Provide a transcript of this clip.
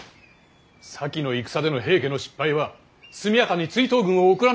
先の戦での平家の失敗は速やかに追討軍を送らなかったこと。